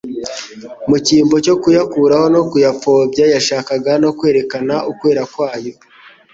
Mu cyimbo cyo kuyakuraho no kuyapfobya yashakaga no kwerekana ukwera kwayo.